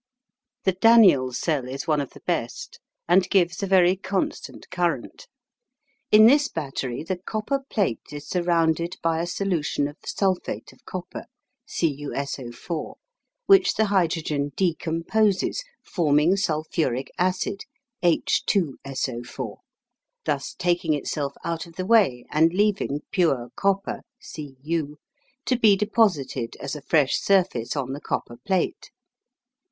The Daniell cell is one of the best, and gives a very constant current. In this battery the copper plate is surrounded by a solution of sulphate of copper (Cu SO4), which the hydrogen decomposes, forming sulphuric acid (H2SO4), thus taking itself out of the way, and leaving pure copper (Cu) to be deposited as a fresh surface on the copper plate.